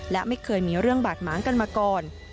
และไม่เคยมีเรื่องบาดหมางกันมาก่อน